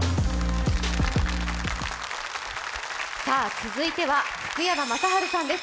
続いては福山雅治さんです。